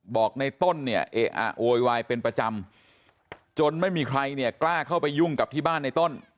บอกในต้นเนี่ยเอะอะโวยวายเป็นประจำจนไม่มีใครเนี่ยกล้าเข้าไปยุ่งกับที่บ้านในต้น